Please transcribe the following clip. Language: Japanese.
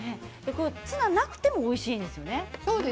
ツナなくてもおいしいですよね。